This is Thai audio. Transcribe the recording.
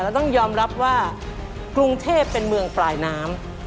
ต้องยอมรับว่ากรุงเทพเป็นเมืองปลายน้ำ